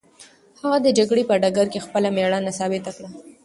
هغه د جګړې په ډګر کې خپله مېړانه ثابته کړه.